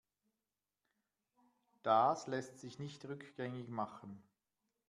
Das lässt sich nicht rückgängig machen.